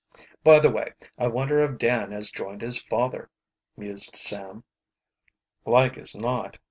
"By the way, I wonder if Dan has joined his father?" mused Sam. "Like as not.